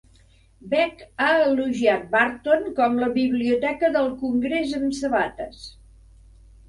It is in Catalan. Beck ha elogiat Barton com "la biblioteca del congrés amb sabates".